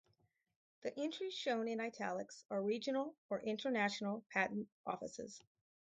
The entries shown in italics are regional or international patent offices.